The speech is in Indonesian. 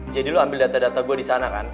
jadi lo ambil data data gue disana kan